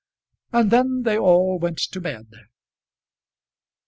And then they all went to bed.